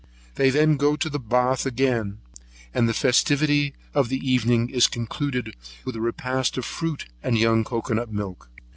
They then go to the bath again, and the festivity of the evening is concluded with a repast of fruit, and young cocoanut milk.